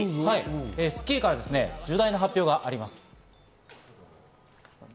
『スッキリ』から重大発表があります。